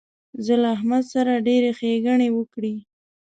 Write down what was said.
زه له احمد سره ډېرې ښېګڼې وکړې.